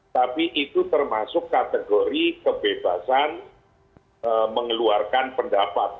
tapi itu termasuk kategori kebebasan mengeluarkan pendapat